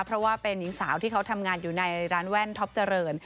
เพราะว่าเป็นหญิงสาวที่เขาทำงานอยู่ในร้านแว่นท็อปเจริญ